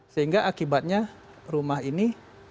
sehingga akibatnya rumah ini